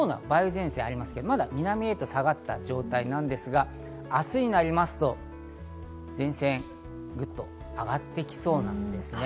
前線がありますけど、まだ南へ下がった状態なんですが、明日になりますと前線がぐっと上がってきそうなんですね。